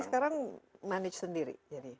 tapi sekarang manage sendiri jadi